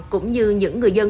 cũng như những người dân